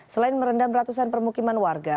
selain merendam ratusan permukiman warga